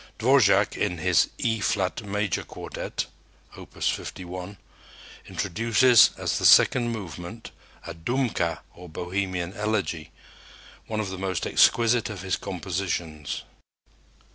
Dvorak in his E flat major quartet (Opus 51) introduces as the second movement a Dumka or Bohemian elegy, one of the most exquisite of his compositions.